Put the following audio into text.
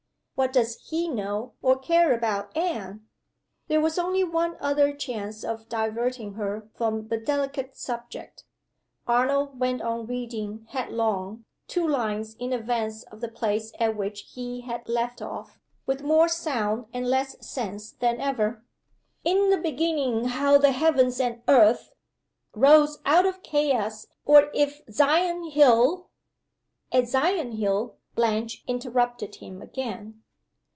"What does he know or care about Anne?" There was only one other chance of diverting her from the delicate subject. Arnold went on reading headlong, two lines in advance of the place at which he had left off, with more sound and less sense than ever: "In the beginning how the heavens and earth. Rose out of Chaos or if Sion hill " At "Sion hill," Blanche interrupted him again.